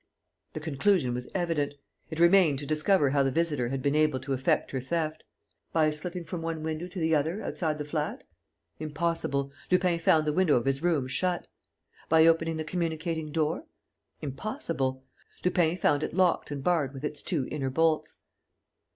The conclusion was evident. It remained to discover how the visitor had been able to effect her theft. By slipping from one window to the other, outside the flat? Impossible: Lupin found the window of his room shut. By opening the communicating door? Impossible: Lupin found it locked and barred with its two inner bolts.